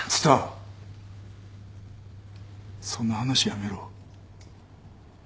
蔦そんな話やめろ。